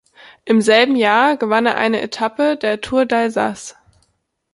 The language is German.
Im selben Jahr gewann er eine Etappe der Tour d’Alsace.